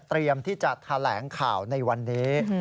เตรียมที่จะแถลงข่าวในวันนี้